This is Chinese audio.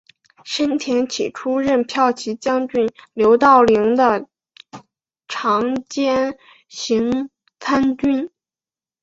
申恬起初任骠骑将军刘道邻的长兼行参军。